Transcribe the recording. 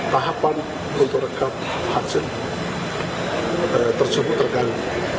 tahapan untuk rekap hadsen tersebut tergantung